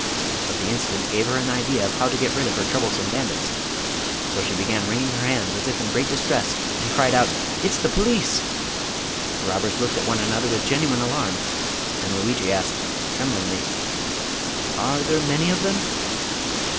But the incident gave her an idea of how to get rid of her troublesome bandits, so she began wringing her hands as if in great distress and cried out: "It's the police!" The robbers looked at one another with genuine alarm, and Lugui asked, tremblingly: "Are there many of them?"